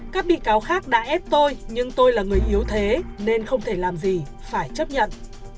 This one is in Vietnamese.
các bị cáo khác đã ép tôi nhưng tôi là người yếu thế nên không thể làm gì phải chấp nhận